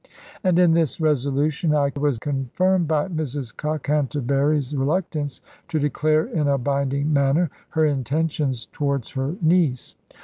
And in this resolution I was confirmed by Mrs Cockhanterbury's reluctance to declare in a binding manner her intentions towards her niece.